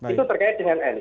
itu terkait dengan ini